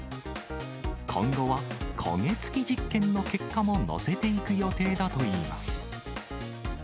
今後は焦げ付き実験の結果も載せていく予定だといいます。